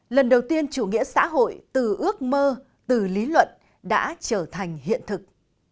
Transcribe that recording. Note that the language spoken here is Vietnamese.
nên chủ nghĩa xã hội từ ước mơ từ lý luận đã trở thành hiện thực